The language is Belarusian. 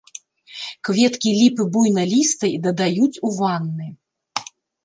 Кветкі ліпы буйналістай дадаюць ў ванны.